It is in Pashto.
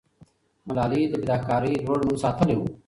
ملالۍ د فداکارۍ لوړ نوم ساتلې وو.